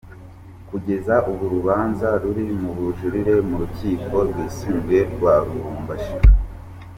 Kugeza ubu urubanza ruri mu bujurire mu Rukiko rwisumbuye rwa Lubumbashi.